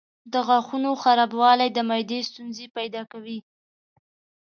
د غاښونو خرابوالی د معدې ستونزې پیدا کوي.